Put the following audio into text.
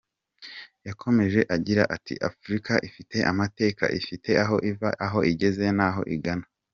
Yakomeje agira ati “Afurika ifite amateka, ifite aho iva, aho igeze n’aho igana.